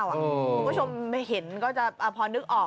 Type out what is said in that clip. คุณผู้ชมเห็นก็จะพอนึกออก